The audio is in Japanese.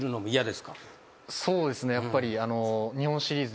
そうですねやっぱり。